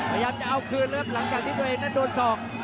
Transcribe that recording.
พยายามจะเอาคืนเลยครับหลังจากที่ตัวเองนั้นโดนศอก